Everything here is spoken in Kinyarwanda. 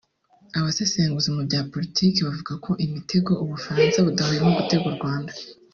Abasesenguzi mu bya politiki bavuga ko imitego u Bufaransa budahwema gutega u Rwanda